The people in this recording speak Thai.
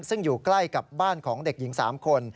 ซึ่งอยู่ใกล้กับบ้านของเด็กหญิง๓คน